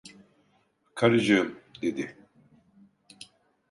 "Karıcığım!" dedi.